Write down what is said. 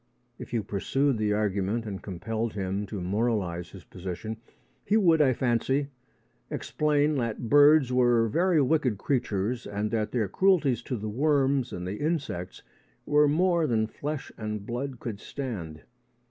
If you pursued the argument and compelled him to moralise his position, he would, I fancy, explain that the birds were very wicked creatures and that their cruelties to the worms and the insects were more than flesh and blood could stand.